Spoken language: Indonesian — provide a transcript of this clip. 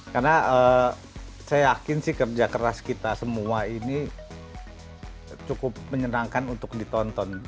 karena saya yakin kerja keras kita semua ini cukup menyenangkan untuk ditonton